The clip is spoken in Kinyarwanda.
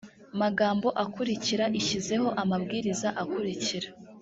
magambo akurikira ishyizeho amabwiriza akurikira